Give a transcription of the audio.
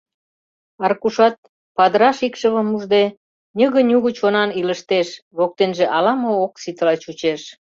Аркушат, падыраш икшывым ужде, ньыге-нюго чонан илыштеш, воктенже ала-мо ок ситыла чучеш.